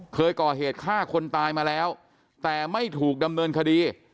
เคยก่อเหตุฆ่าคนตายมาแล้วแต่ไม่ถูกดำเนินคดี